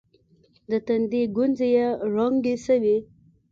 د تندي گونځې يې ړنګې سوې.